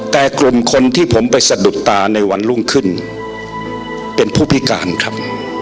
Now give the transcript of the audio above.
แต่กลุ่มคนที่ผมไปสะดุดตาในวันรุ่งขึ้นเป็นผู้พิการครับ